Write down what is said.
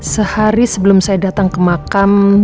sehari sebelum saya datang ke makam